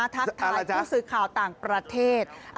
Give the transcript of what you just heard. ทักทายผู้สื่อข่าวต่างประเทศ